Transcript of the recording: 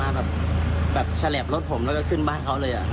มาแบบแบบฉลียบรถผมแล้วก็ขึ้นบ้านเขาเลยอะครับ